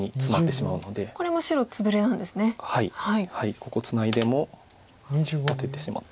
ここツナいでもアテてしまって。